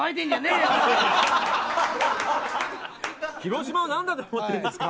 広島をなんだと思ってるんですか。